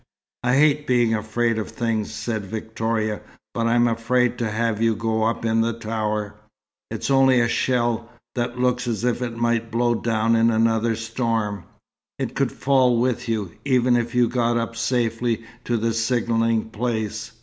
"I hate being afraid of things," said Victoria. "But I am afraid to have you go up in the tower. It's only a shell, that looks as if it might blow down in another storm. It could fall with you, even if you got up safely to the signalling place.